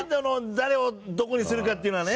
誰をどこにするかっていうのはね。